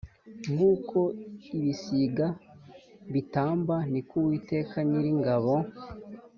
Nk uko ibisiga bitamba ni ko Uwiteka Nyiringabo